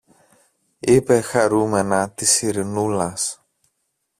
είπε χαρούμενα της Ειρηνούλας